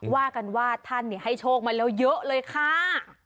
ว่ากันว่าท่านให้โชคมาแล้วเยอะเลยค่ะ